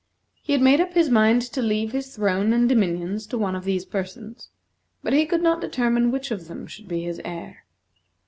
He had made up his mind to leave his throne and dominions to one of these persons, but he could not determine which of them should be his heir.